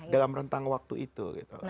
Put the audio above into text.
dalam rentang waktu itu